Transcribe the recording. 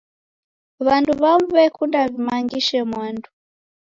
W'andu w'amu w'ekunda w'imangishe mwandu.